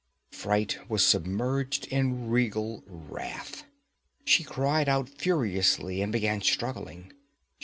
Fright was submerged in regal wrath. She cried out furiously and began struggling.